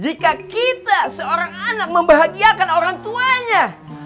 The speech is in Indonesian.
jika kita seorang anak membahagiakan orang tuanya